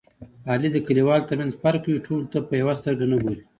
علي د کلیوالو ترمنځ فرق کوي. ټولو ته په یوه سترګه نه ګوري.